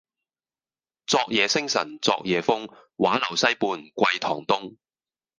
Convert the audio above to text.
昨夜星辰昨夜風，畫樓西畔桂堂東。